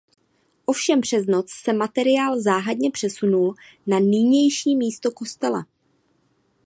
Ovšem přes noc se materiál záhadně přesunul na nynější místo kostela.